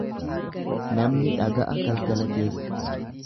Namni dhaga'a galgala keessa.